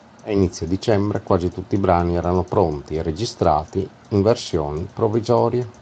A inizio dicembre quasi tutti i brani erano pronti e registrati in versioni provvisorie.